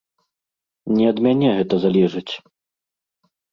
Не ад мяне гэта залежыць.